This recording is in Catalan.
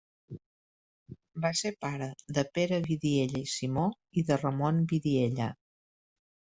Va ser pare de Pere Vidiella i Simó i de Ramon Vidiella.